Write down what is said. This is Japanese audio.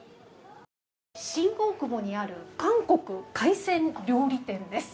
新大久保にある韓国海鮮料理店です。